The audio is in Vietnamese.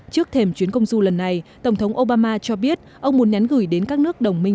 trước thềm chuyến công du lần này tổng thống obama cho biết ông muốn nhắn gửi đến các nước đồng minh